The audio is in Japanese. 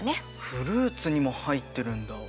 フルーツにも入ってるんだ。